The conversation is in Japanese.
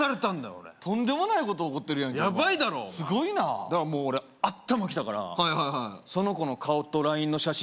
俺とんでもないこと起こってるやんヤバいだろすごいなあもう俺頭きたからはいはいはいその子の顔とＬＩＮＥの写真